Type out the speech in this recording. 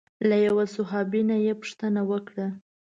له یوه صحابي نه یې پوښتنه وکړه.